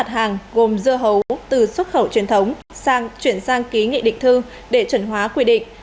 mặt hàng gồm dưa hấu từ xuất khẩu truyền thống chuyển sang ký nghị định thư để chuẩn hóa quy định